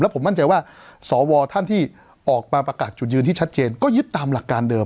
ผมมั่นใจว่าสวท่านที่ออกมาประกาศจุดยืนที่ชัดเจนก็ยึดตามหลักการเดิม